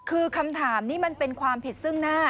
คือคำถามนี้มันเป็นความผิดซึ่งหน้า